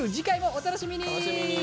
お楽しみに。